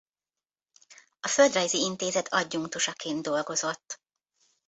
A Földrajzi Intézet adjunktusaként dolgozott.